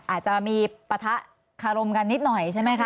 อาจจะมีปะทะคารมกันนิดหน่อยใช่ไหมคะ